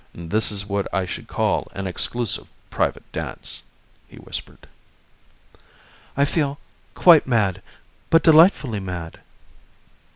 "This is what I should call an exclusive private dance," he whispered. "I feel quite mad but delightfully mad!"